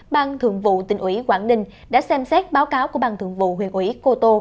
ban thường vụ tỉnh ủy quảng ninh đã xem xét báo cáo của ban thường vụ huyện ủy cô tô